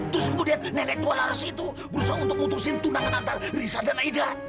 terus kamu lihat nenek tualaras itu berusaha untuk memutuskan tunangan antar risa dan aida